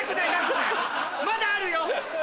まだあるよ！